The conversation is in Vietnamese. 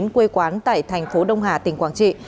quê quán tại thành phố đông hà tỉnh quảng trị